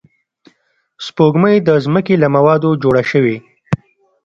سپوږمۍ د ځمکې له موادو جوړه شوې